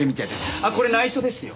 あっこれ内緒ですよ。